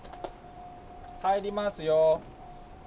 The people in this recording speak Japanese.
入りますよ。